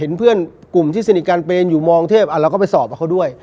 เพื่อนกลุ่มที่สนิทกันเป็นอยู่มองเทพเราก็ไปสอบกับเขาด้วย